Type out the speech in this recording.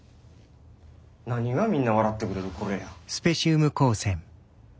何がみんな笑ってくれるこれや。